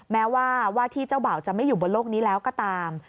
แม้ว่าว่าที่เจ้าบ่าวจะไม่อยู่บนโลกนี้แล้วก็ตาม